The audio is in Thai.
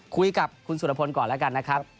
คุยกับคุณสุรพลก่อนแล้วกันนะครับ